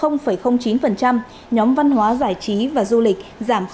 nhóm văn hóa giải trí và du lịch giảm sáu